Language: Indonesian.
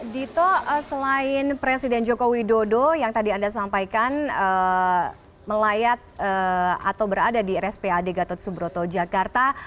dito selain presiden joko widodo yang tadi anda sampaikan melayat atau berada di rspad gatot subroto jakarta